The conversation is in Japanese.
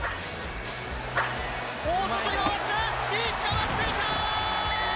大外に合わせて、リーチが待っていた！